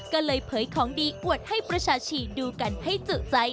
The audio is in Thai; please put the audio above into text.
ก็เลยเผยของดีอวดให้ประชาชีดูกันให้จุใจ